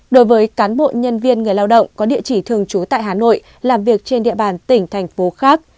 đối với cán bộ nhân viên người lao động có địa chỉ thường trú tại hà nội làm việc trên địa bàn tỉnh thành phố khác